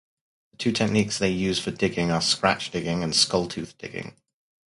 The two techniques they use for digging are scratch-digging and skull-tooth digging.